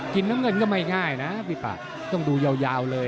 กินน้ำเงินก็ไม่ง่ายนะต้องดูยาวเลยนะครับ